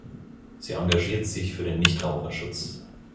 Sie engagiert sich für den Nichtraucherschutz.